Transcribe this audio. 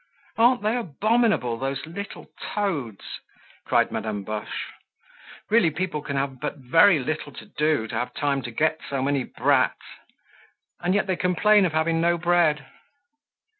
"Aren't they abominable, those little toads?" cried Madame Boche. "Really, people can have but very little to do to have time to get so many brats. And yet they complain of having no bread."